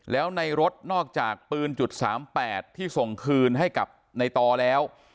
แล้วในรถนอกจากปืน๓๘ที่ส่งคืนให้กับในตอแล้ว